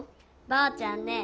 ばあちゃんね